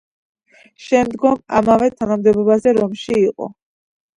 შემდგომ ამავე თანამდებობაზე რომში იყო.